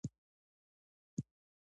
او ښځه د يوه منفعل عنصر په توګه